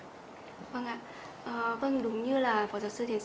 vâng ạ vâng đúng như là phó giáo sư thiền sư